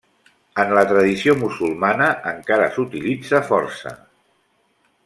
En la tradició musulmana encara s'utilitza força.